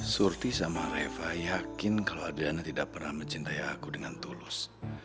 surti sama reva yakin kalau adriana tidak pernah mencintai aku dengan tulus